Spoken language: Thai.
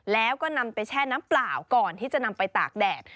แล้วก็แช่น้ำเปล่าก่อนที่จะไปตากแดด